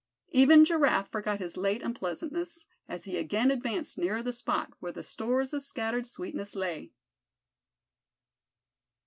Even Giraffe forgot his late unpleasantness as he again advanced nearer the spot where the stores of scattered sweetness lay.